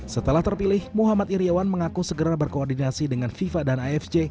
setelah terpilih muhammad iryawan mengaku segera berkoordinasi dengan fifa dan afj